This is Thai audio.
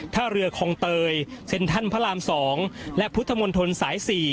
ท่าเรือคลองเตยเซ็นทรัลพระราม๒และพุทธมนตรสาย๔